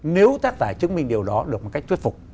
nếu tác giả chứng minh điều đó được một cách thuyết phục